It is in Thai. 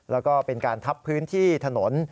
แล้วก็เป็นการทับพื้นที่ถนน